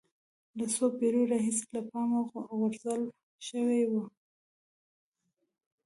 له څو پېړیو راهیسې له پامه غورځول شوی و